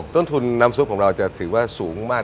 ต้นทุนน้ำซุปของเราจะถือว่าสูงมาก